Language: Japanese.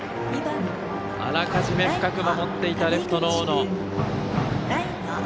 あらかじめ深く守っていたレフトの大野。